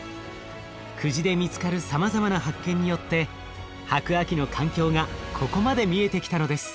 久慈で見つかるさまざまな発見によって白亜紀の環境がここまで見えてきたのです。